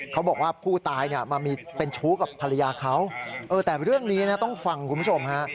เขาบอกว่าผู้ตายเนี่ยมามีเป็นชู้กับภรรยาเขาแต่เรื่องนี้นะต้องฟังคุณผู้ชมฮะ